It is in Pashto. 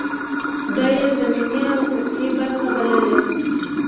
دا یې ضمني او سطحې برخې بللې.